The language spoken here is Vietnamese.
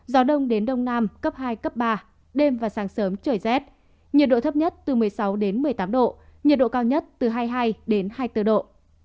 gió đông đến đông nam cấp hai cấp ba đêm và sáng sớm trời rét nhiệt độ thấp nhất từ một mươi sáu đến một mươi tám độ nhiệt độ cao nhất từ hai mươi hai hai mươi bốn độ